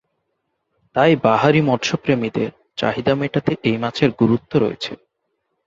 তাই বাহারি মৎস্য প্রেমীদের চাহিদা মেটাতে এই মাছের গুরুত্ব রয়েছে।